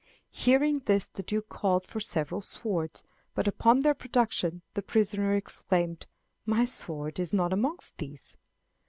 Hearing this the Duke called for several swords, but upon their production the prisoner exclaimed, "My sword is not amongst these!"